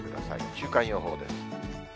週間予報です。